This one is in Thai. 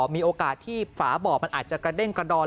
มีโอกาสที่ฝาบ่อมันอาจจะกระเด้งกระดอน